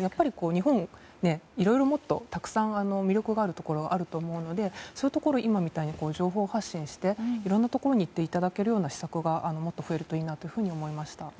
やっぱり日本、いろいろもっとたくさん魅力があるところがあると思うのでそういうところを今みたいに情報発信していろんなところに行っていただけるような施策がもっと増えるといいなと思いました。